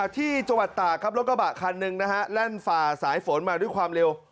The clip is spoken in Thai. ที่จังหวัดตากครับรถกระบะคันหนึ่งนะฮะแล่นฝ่าสายฝนมาด้วยความเร็ว